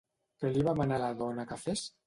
Què li va manar la dona que fes?